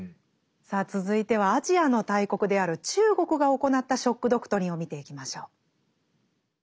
さあ続いてはアジアの大国である中国が行った「ショック・ドクトリン」を見ていきましょう。